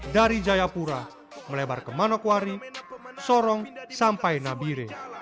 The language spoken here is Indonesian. dari jayapura melebar ke manokwari sorong sampai nabire